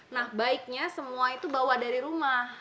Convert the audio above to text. nah baiknya semua itu bawa dari rumah